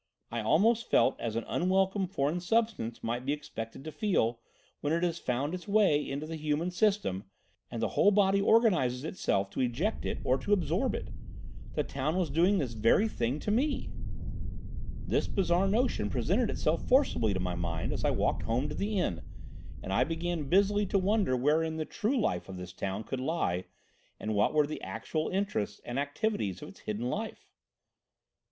I almost felt as an unwelcome foreign substance might be expected to feel when it has found its way into the human system and the whole body organises itself to eject it or to absorb it. The town was doing this very thing to me. "This bizarre notion presented itself forcibly to my mind as I walked home to the inn, and I began busily to wonder wherein the true life of this town could lie and what were the actual interests and activities of its hidden life.